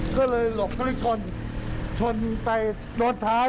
ก็เลยหลบก็เลยชนชนไปโดนท้าย